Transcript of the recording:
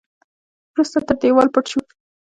وروسته تر دېوال پټ شو.